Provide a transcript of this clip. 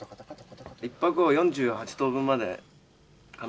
１拍を４８等分までかな。